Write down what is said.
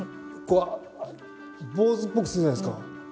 坊主っぽくするじゃないですか。